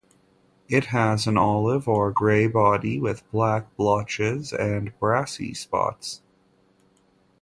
It has an olive or gray body, with black blotches and brassy spots.